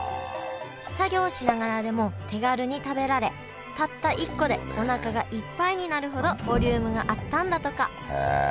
作業しながらでも手軽に食べられたった一個でおなかがいっぱいになるほどボリュームがあったんだとかへえ。